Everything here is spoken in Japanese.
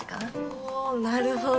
ほおなるほど。